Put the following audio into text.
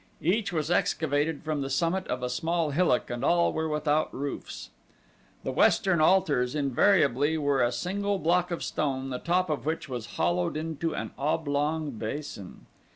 Each was excavated from the summit of a small hillock and all were without roofs. The western altars invariably were a single block of stone the top of which was hollowed into an oblong basin.